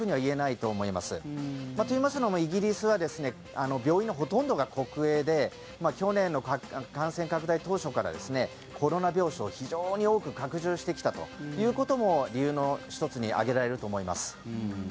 といいますのもイギリスは病院のほとんどが国営で去年の感染拡大当初からコロナ病床、非常に多く拡充してきたということも理由の１つに挙げられると思います。